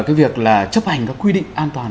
cái việc là chấp hành các quy định an toàn